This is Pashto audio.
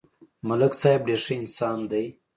ملک صاحب ډېر ښه انسان دی